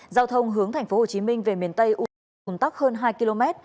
giao thông hướng tp hcm về miền tây uổn tắc hơn hai km